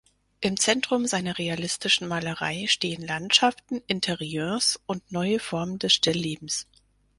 Im Zentrum seiner realistischen Malerei stehen Landschaften, Interieurs und neue Formen des Stilllebens.